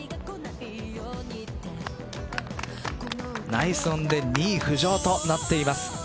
ナイスオンで２位浮上となっています。